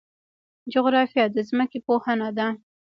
جغرافیه د ځمکې پوهنه ده